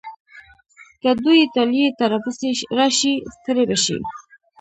که دوی ایټالیې ته راپسې راشي، ستړي به شي.